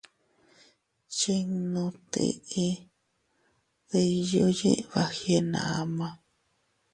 Chinnu tiʼi diyu yiʼi bagyenama.